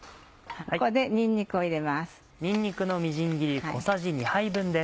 ここでにんにくを入れます。